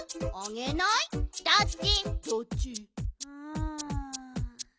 うん。